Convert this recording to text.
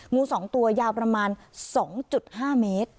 งู๒ตัวยาวประมาณ๒๕เมตร